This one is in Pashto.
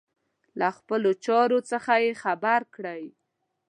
له خپلو چارو څخه مي خبر کړئ.